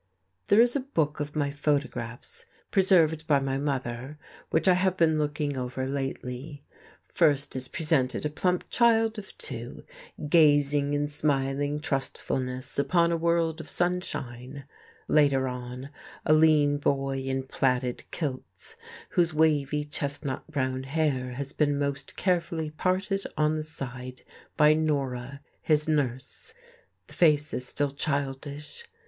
There is a book of my photographs, preserved by my mother, which I have been looking over lately. First is presented a plump child of two, gazing in smiling trustfulness upon a world of sunshine; later on a lean boy in plaided kilts, whose wavy, chestnut brown hair has been most carefully parted on the side by Norah, his nurse. The face is still childish.